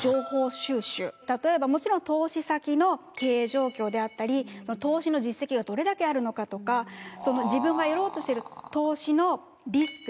例えばもちろん投資先の経営状況であったり投資の実績がどれだけあるのかとかその自分がやろうとしている投資のリスクメリット